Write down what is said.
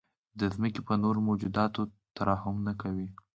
د ځمکې په نورو موجوداتو ترحم نه کوئ.